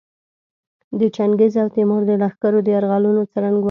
د چنګیز او تیمور د لښکرو د یرغلونو څرنګوالي.